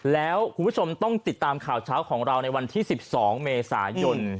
แล้วคุณผู้ชมต้องติดตามข่าวเช้าของเราในวันที่๑๒เมษายน